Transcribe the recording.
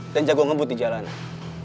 dan jago ngebut di jalanan